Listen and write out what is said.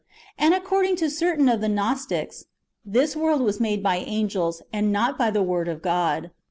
And, according to certain of the Gnostics, this world was made by angels, and not by the Word of God.